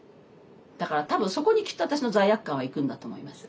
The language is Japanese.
だから多分そこにきっと私の罪悪感はいくんだと思います。